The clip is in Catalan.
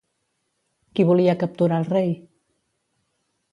Qui volia capturar el rei?